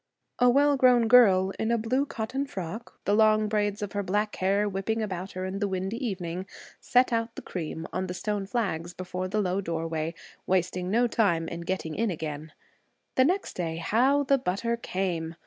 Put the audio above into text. A well grown girl in a blue cotton frock, the long braids of her black hair whipping about her in the windy evening, set out the cream on the stone flags before the low doorway, wasting no time in getting in again. The next day, how the butter 'came'!